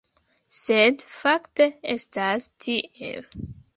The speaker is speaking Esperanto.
Sed fakte estas tiel.